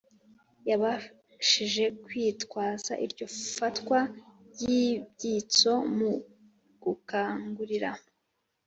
yabashije kwitwaza iryo fatwa ry'ibyitso mu gukangurira